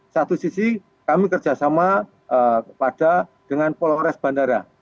satu sisi kami kerjasama kepada dengan polores bandara